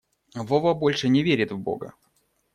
Вова больше не верит в бога.